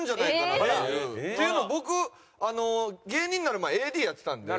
っていうのは僕芸人なる前ＡＤやってたんで。